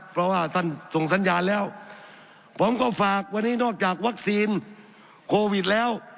เพราะว่าท่านส่งสัญญาณแล้วผมก็ฝากวันนี้นอกจากวัคซีนโควิดแล้ว